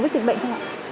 với dịch bệnh không ạ